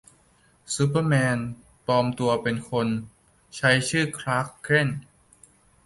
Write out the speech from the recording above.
ซูเปอร์แมน ปลอมตัวเป็นคน ใช้ชื่อคลาร์ก เคนต์